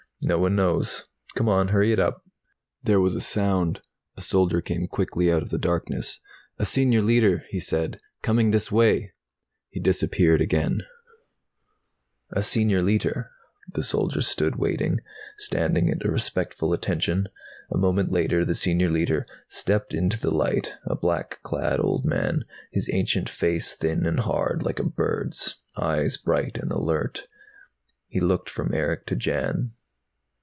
"No one knows. Come on, hurry it up!" There was a sound. A soldier came quickly out of the darkness. "A Senior Leiter," he said. "Coming this way." He disappeared again. "A Senior Leiter." The soldiers stood waiting, standing at a respectful attention. A moment later the Senior Leiter stepped into the light, a black clad old man, his ancient face thin and hard, like a bird's, eyes bright and alert. He looked from Erick to Jan.